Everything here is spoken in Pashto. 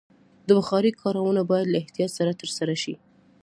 د بخارۍ کارونه باید له احتیاط سره ترسره شي.